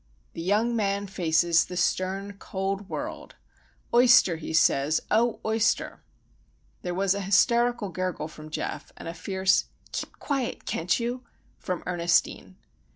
The young man faces the stern, cold world,— "Oyster!" he says, "O oyster!——" There was an hysterical gurgle from Geof, and a fierce "Keep quiet, can't you!" from Ernestine.